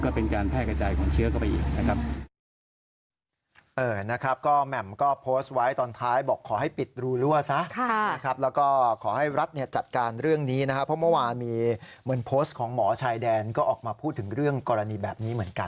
ก็เป็นการแพร่กระจายของเชื้อเข้าไปอีกนะครับ